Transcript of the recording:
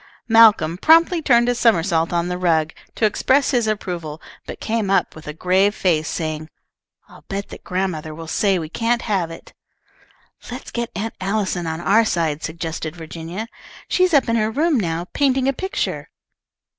'" Malcolm promptly turned a somersault on the rug, to express his approval, but came up with a grave face, saying, "I'll bet that grandmother will say we can't have it." "Let's get Aunt Allison on our side," suggested Virginia. "She's up in her room now, painting a picture."